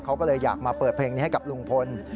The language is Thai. เขาก็เลยอยากมาเปิดเพลงนี้ให้กับลุงพล